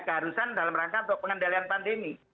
keharusan dalam rangka untuk pengendalian pandemi